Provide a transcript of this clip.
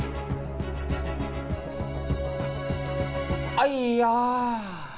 アイヤー。